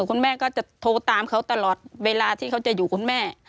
คุณแม่ก็จะโทรตามเขาตลอดเวลาที่เขาจะอยู่คุณแม่